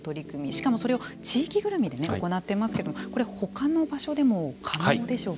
しかもそれを地域ぐるみでね行っていますけどもこれほかの場所でも可能でしょうか？